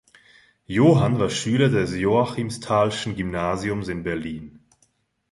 Johann war Schüler des Joachimsthalschen Gymnasiums in Berlin.